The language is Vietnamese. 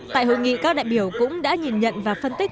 tại hội nghị các đại biểu cũng đã nhìn nhận và phân tích